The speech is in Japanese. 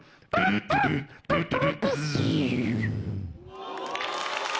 お！